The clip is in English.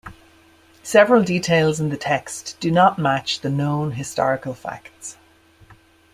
Several details in the text do not match the known historical facts.